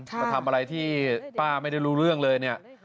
จะทำอะไรที่ป้าไม่ได้รู้เรื่องเลย